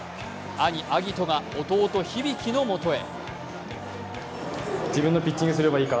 兄・晶音が弟・響のもとへ。